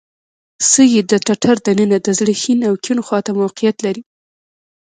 سږي د ټټر د ننه د زړه ښي او کیڼ خواته موقعیت لري.